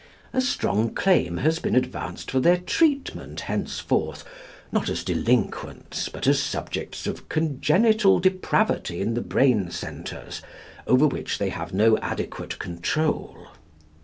A strong claim has been advanced for their treatment henceforth, not as delinquents, but as subjects of congenital depravity in the brain centres, over which they have no adequate control.